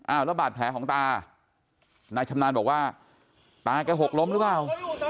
แล้วบาดแผลของตานายชำนาญบอกว่าตาแกหกล้มหรือเปล่า